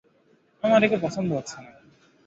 আমার একে পছন্দ হচ্ছে না।